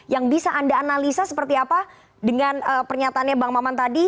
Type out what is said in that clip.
yang bisa anda analisa seperti apa dengan pernyataannya bang maman tadi